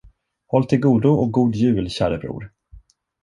Håll till godo och god jul, käre bror!